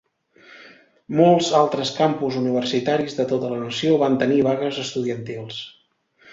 Molts altres campus universitaris de tota la nació van tenir vagues estudiantils.